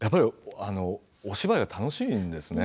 お芝居が楽しいんですね